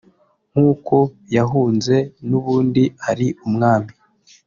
nk’uko yahunze n’ubundi ari umwami